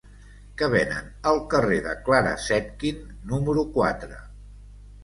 Què venen al carrer de Clara Zetkin número quatre?